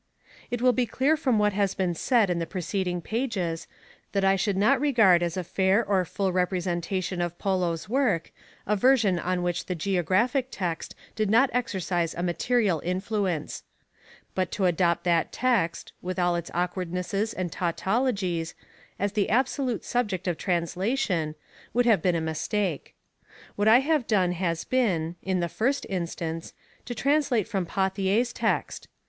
90. It will be clear from what has been said in the preceding pages that I should not regard as a fair or full representation of Polo's Work, a version on which the Geographic Text did not exercise a material influence. But to adopt formation of that Text, with all its awkwardnesses and tautologies. Text of this ,.[.,. 111 1 Translation. as the absolute subject of translation, would have been a mistake. What I have done has been, in the first instance, to translate from Pauthier's Text.